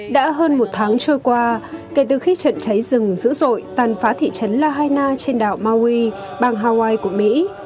đã hơn một tháng trôi qua kể từ khi trận cháy rừng dữ dội tàn phá thị trấn lahaina trên đảo maui bang hawaii của mỹ